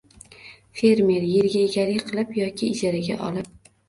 «Fermer — yerga egalik qilib yoki ijaraga olib